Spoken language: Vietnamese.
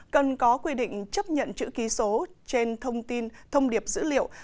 cần có quy định chấp nhận chữ ký số trên thông tin thông điệp dữ liệu